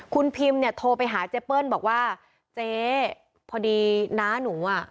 คุณพิมเนี่ยโทรไปหาเจเปิ้ลบอกว่าเจ๊พอดีน้าหนูอ่ะ